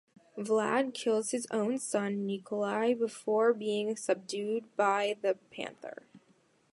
Vlad kills his own son Nicolae before being subdued by the Panther.